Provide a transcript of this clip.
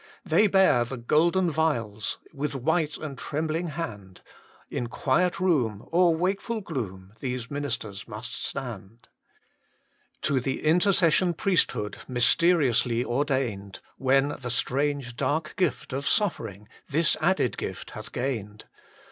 They bear the golden vials With white and trembling hand ; In quiet room Or wakeful gloom These ministers must stand, THE MINISTRY OF INTERCESSION xiii To the Intercession Priesthood Mysteriously ordained, When the strange dark gift of suffering This added gift hath gained.